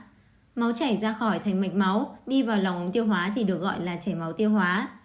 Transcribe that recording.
biểu hiện thứ sáu máu chảy ra khỏi thành mạch máu đi vào lòng ống tiêu hóa thì được gọi là chảy máu tiêu hóa